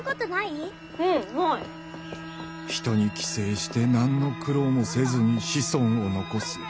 人に寄生して何の苦労もせずに「子孫を残す」。